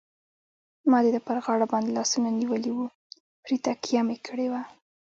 ما د ده پر غاړه باندې لاسونه نیولي وو، پرې تکیه مې کړې وه.